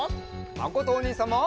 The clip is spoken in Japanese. まことおにいさんも！